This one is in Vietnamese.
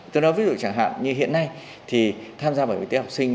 tôi nói ví dụ chẳng hạn như hiện nay thì tham gia bảo hiểm y tế học sinh